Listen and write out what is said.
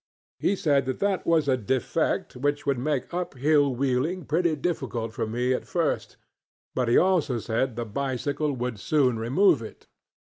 He said that that was a defect which would make up hill wheeling pretty difficult for me at first; but he also said the bicycle would soon remove it.